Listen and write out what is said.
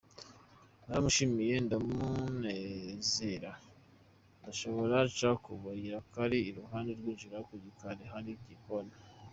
Naramushimiye ndamusezera, ndasohoka nca mu kayira kari iruhande kinjira mu gikari ahari igikoni.